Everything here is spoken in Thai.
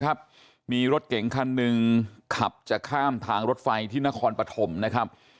ครับมีรถเก๋งคันหนึ่งขับจะข้ามทางรถไฟที่นครปฐมนะครับ